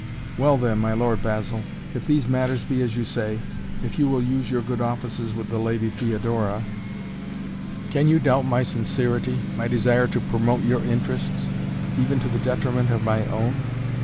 "Well, then, my Lord Basil, if these matters be as you say, if you will use your good offices with the Lady Theodora " "Can you doubt my sincerity my desire to promote your interests even to the detriment of my own?"